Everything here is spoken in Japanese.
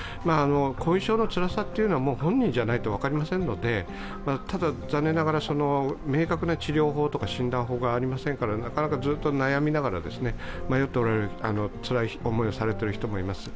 後遺症のつらさというのは本人じゃないと分かりませんので、ただ、残念ながら明確な治療法とか診断法がありませんからなかなかずっと悩みながら、つらい思いをされている人もいます。